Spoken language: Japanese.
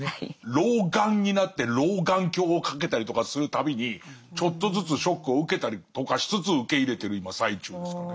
老眼になって老眼鏡をかけたりとかするたびにちょっとずつショックを受けたりとかしつつ受け入れてる今最中ですかね。